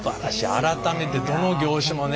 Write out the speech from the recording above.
改めてどの業種もね